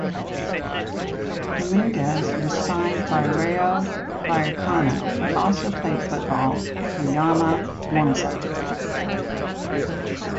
Domingues was signed by Rayo Vallecano but also played football for Fiamma Monza.